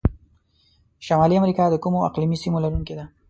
شمالي امریکا د کومو اقلیمي سیمو لرونکي ده؟